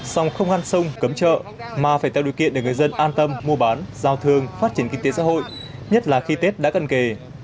xong không ngăn sông cấm chợ mà phải theo điều kiện để người dân an tâm mua bán giao thương phát triển kinh tế xã hội nhất là khi tết đã cần kề